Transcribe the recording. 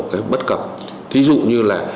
cái bất cập ví dụ như là